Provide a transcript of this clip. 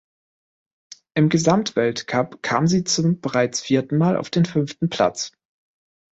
Im Gesamtweltcup kam sie zum bereits vierten Mal auf den fünften Platz.